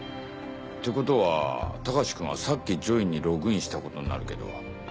ってことは隆君はさっき『ジョイン』にログインしたことになるけど。